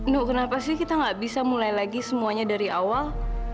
no kenapa sih kita nggak bisa mulai lagi semuanya dari awal